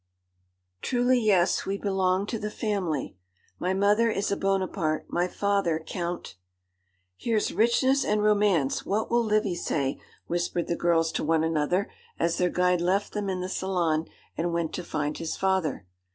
'Truly yes: we belong to the family. My mother is a Buonaparte, my father Count ' 'Here's richness and romance!' 'What will Livy say?' whispered the girls to one another, as their guide left them in the salon and went to find his father.